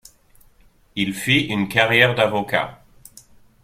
Il fit une carrière d'avocat.